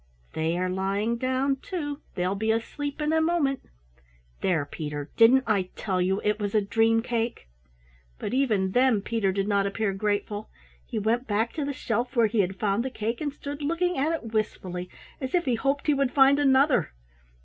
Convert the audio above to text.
"They are lying down, too, they will be asleep in a moment! There, Peter, didn't I tell you it was a dream cake?" But even then Peter did not appear grateful. He went back to the shelf where he had found the cake and stood looking at it wistfully, as if he hoped he would find another.